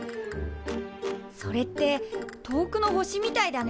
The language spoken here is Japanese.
それって遠くの星みたいだね。